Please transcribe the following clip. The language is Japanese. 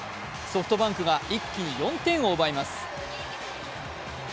ソフトバンクが一気に４点を奪います。